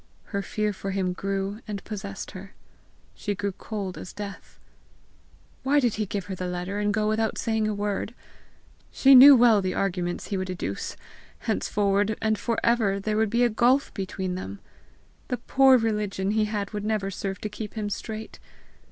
Her fear for him grew and possessed her. She grew cold as death. Why did he give her the letter, and go without saying a word? She knew well the arguments he would adduce! Henceforward and for ever there would be a gulf between them! The poor religion he had would never serve to keep him straight!